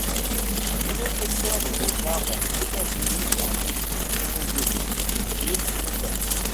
Un nouveau secteur des départs vers les États-Unis est aussi inauguré, situé sous l'hôtel.